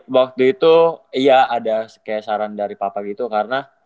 waktu itu iya ada kayak saran dari papa gitu karena